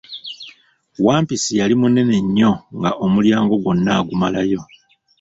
Wampisi yali munene nnyo nga omulyango gwonna agumalayo.